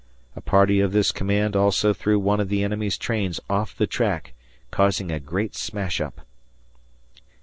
A party of this command also threw one of the enemy's trains off the track, causing a great smash up.